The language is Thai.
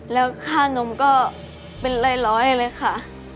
แล้วค่านมก็เป็นร้อยเลยค่ะ